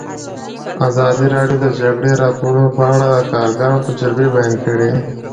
ازادي راډیو د د جګړې راپورونه په اړه د کارګرانو تجربې بیان کړي.